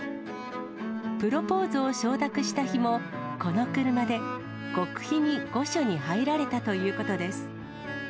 プロポーズを承諾した日も、この車で極秘に御所に入られたということです。